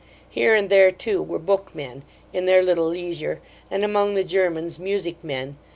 Here and there, too, were book men, in their little leisure; and, among the Germans, music men.